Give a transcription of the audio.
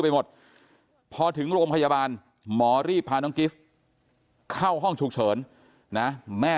ไปหมดพอถึงโรงพยาบาลหมอรีบพาน้องกิฟต์เข้าห้องฉุกเฉินนะแม่